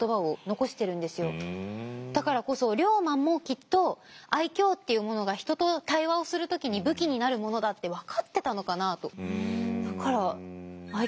だからこそ龍馬もきっと愛嬌っていうものが人と対話をする時に武器になるものだって分かってたのかなと。